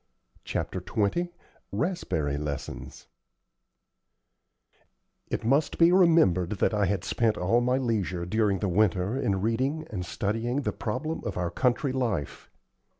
CHAPTER XX RASPBERRY LESSONS It must be remembered that I had spent all my leisure during the winter in reading and studying the problem of our country life.